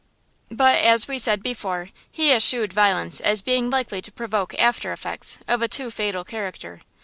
But, as we said before, he eschewed violence as being likely to provoke after effects of a too fatal character.